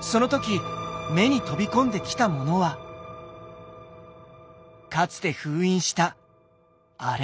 その時目に飛び込んできたものはかつて封印したアレ。